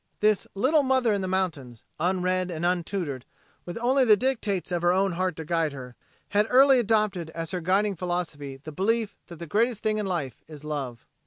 This little mother in the mountains, unread and untutored, with only the dictates of her own heart to guide her, had early adopted as her guiding philosophy the belief that the greatest thing in life is love.